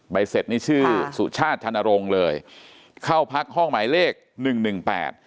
เสร็จนี่ชื่อสุชาติชนรงค์เลยเข้าพักห้องหมายเลขหนึ่งหนึ่งแปด